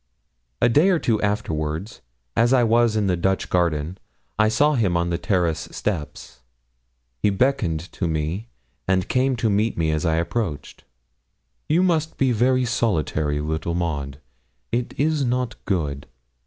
A day or two afterwards, as I was in the Dutch garden, I saw him on the terrace steps. He beckoned to me, and came to meet me as I approached. 'You must be very solitary, little Maud; it is not good.